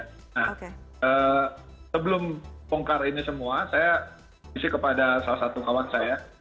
nah sebelum bongkar ini semua saya isi kepada salah satu kawan saya